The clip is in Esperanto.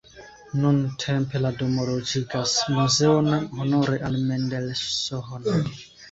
Nuntempe la domo loĝigas muzeon honore al Mendelssohn.